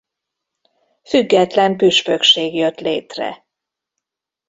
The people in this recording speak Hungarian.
Független püspökség jött létre.